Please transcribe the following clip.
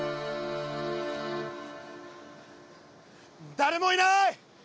誰もいない！